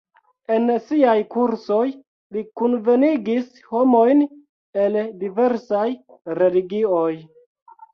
En siaj kursoj li kunvenigis homojn el diversaj religioj.